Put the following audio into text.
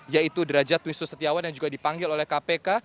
yaitu derajat wisu setiawan yang juga dipanggil oleh kpk